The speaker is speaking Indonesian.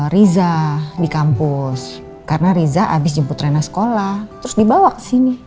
riza di kampus karena riza habis jemput rena sekolah terus dibawa ke sini